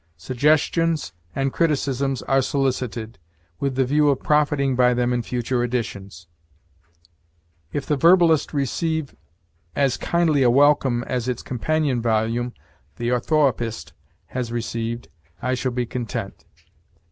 Suggestions and criticisms are solicited, with the view of profiting by them in future editions. If "The Verbalist" receive as kindly a welcome as its companion volume, "The Orthoëpist," has received, I shall be content.